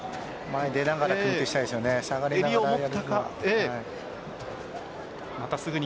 前に出ながら組み手をしたいですね。